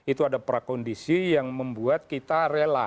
itu ada prakondisi yang membuat kita rela